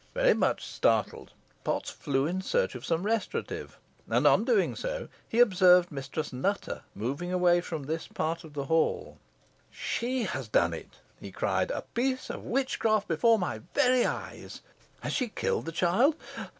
Very much startled, Potts flew in search of some restorative, and on doing so, he perceived Mistress Nutter moving away from this part of the hall. "She has done it," he cried. "A piece of witchcraft before my very eyes. Has she killed the child?